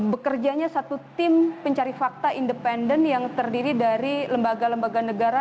bekerjanya satu tim pencari fakta independen yang terdiri dari lembaga lembaga negara